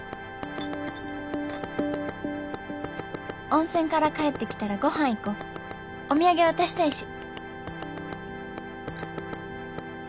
「温泉から帰ってきたらご飯いこお土産渡したいし！」。